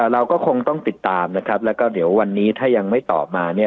เราก็คงต้องติดตามนะครับแล้วก็เดี๋ยววันนี้ถ้ายังไม่ตอบมาเนี่ย